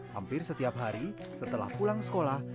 hampir setiap hari setelah pulang sekolah